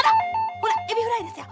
ほらエビフライですよ。